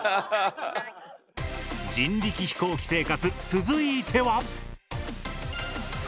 人力飛行機生活続いては。